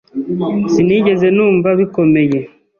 Sinigeze numva bikomeye.